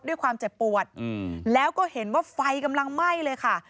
ด้วยความเจ็บปวดแล้วก็เห็นว่าไฟกำลังไหม้เลยค่ะ